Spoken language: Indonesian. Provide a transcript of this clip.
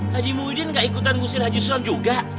si muhyiddin ga ikutan ngusir haji sulam juga